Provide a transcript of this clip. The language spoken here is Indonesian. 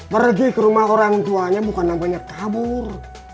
pergi ke rumah orang tuanya bukan namanya kabur